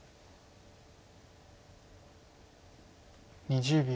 ２０秒。